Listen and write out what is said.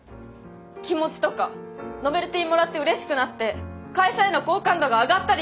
気持ちとかノベルティもらってうれしくなって会社への好感度が上がったりとか。